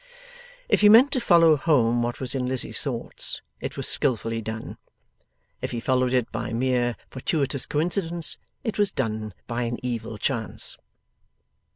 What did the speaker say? If he meant to follow home what was in Lizzie's thoughts, it was skilfully done. If he followed it by mere fortuitous coincidence, it was done by an evil chance.